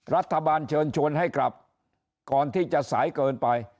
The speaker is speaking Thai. รัฐบาลเชิญชวนให้กลับก่อนที่จะสายเกินไป